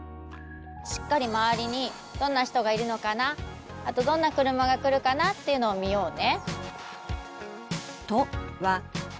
しっかり周りにどんな人がいるのかなあとどんな車が来るかなっていうのを見ようね。